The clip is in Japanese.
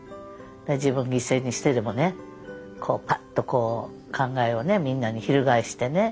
自分を犠牲にしてでもねぱっとこう考えをみんなに翻してね